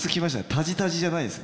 タジタジじゃないんですね。